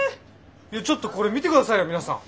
ちょっとこれ見て下さいよ皆さん。